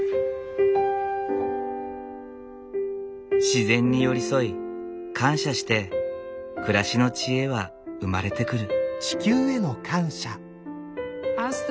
自然に寄り添い感謝して暮らしの知恵は生まれてくる。